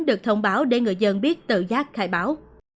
được thông báo để người dân biết tự giác khai báo